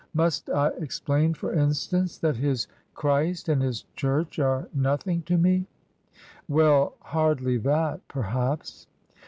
Must I ex plain, for instance, that his Christ and his church are nothing to me ?"" Well ! Hardly that, perhaps."